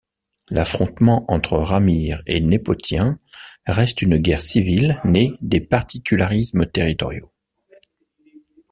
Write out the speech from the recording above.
L'affrontement entre Ramire et Népotien reste une guerre civile née des particularismes territoriaux.